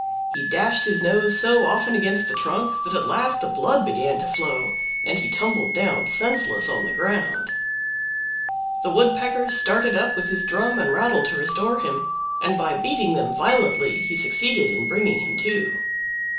He dashed his nose so often against the trunk that at last the blood began to flow, and he tumbled down senseless on the ground. The Woodpecker started up with his drum and rattle to restore him, and by beating them violently he succeeded in bringing him to.